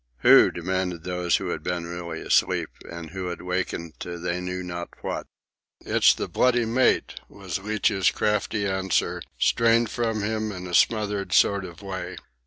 "Who?" demanded those who had been really asleep, and who had wakened to they knew not what. "It's the bloody mate!" was Leach's crafty answer, strained from him in a smothered sort of way.